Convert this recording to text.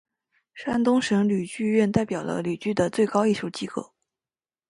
山东省吕剧院代表了吕剧的最高艺术机构。